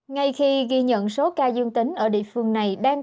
ngay khi ghi nhận số ca dương tính ở địa phương này đang